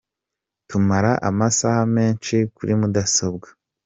Tumara amasaha menshi kuri mudasobwa.